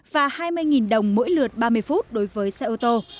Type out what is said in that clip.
và hai mươi đồng mỗi lượt ba mươi phút đối với xe ô tô